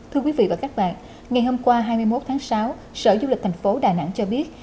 thưa quý vị và các bạn ngày hôm qua hai mươi một tháng sáu sở du lịch thành phố đà nẵng cho biết